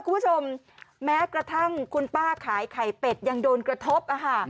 คุณผู้ชมแม้กระทั่งคุณป้าขายไข่เป็ดยังโดนกระทบ